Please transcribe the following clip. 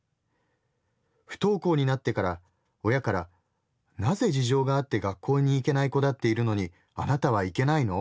不登校になってから親からなぜ事情があって学校に行けない子だっているのにあなたは行けないの？